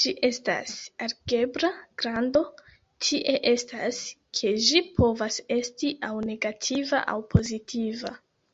Ĝi estas algebra grando, tie estas, ke ĝi povas esti aŭ negativa aŭ pozitiva.